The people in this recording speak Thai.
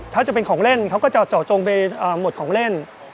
ถ้าจะเป็นของเล่นเขาก็จะเจาะจงไปหมดของเล่น